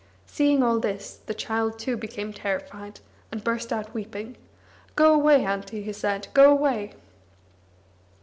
Seeing all this, the child, too, became terrified, and burst out weeping: "Go away, Auntie," he said, "go away!"